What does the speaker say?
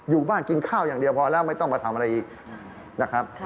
อยู่บ้านกินข้าวอย่างเดียวพอแล้วไม่ต้องมาทำอะไรอีกนะครับ